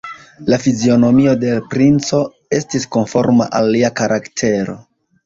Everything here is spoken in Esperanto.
La fizionomio de l' princo estis konforma al lia karaktero.